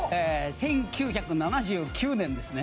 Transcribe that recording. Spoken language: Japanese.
１９７９年ですね。